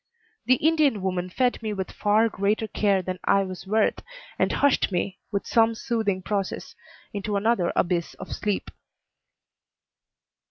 The Indian woman fed me with far greater care than I was worth, and hushed me, with some soothing process, into another abyss of sleep.